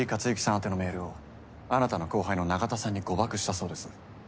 宛てのメールをあなたの後輩の中田さんに誤爆したそうです。